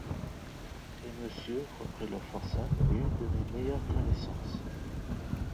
Et monsieur, reprit le forçat, est une de mes meilleures connaissances...